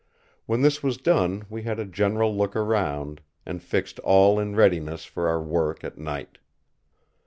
When this was done we had a general look round; and fixed all in readiness for our work at night.